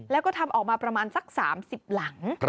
แล้วก็ทำออกมาประมาณสัก๓๐หลัง